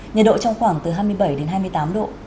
nhiệt độ trong khoảng từ hai mươi bảy đến hai mươi tám độ